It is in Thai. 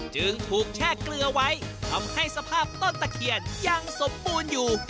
จึงถูกแช่เกลือไว้ทำให้สภาพต้นตะเคียนยังสมบูรณ์อยู่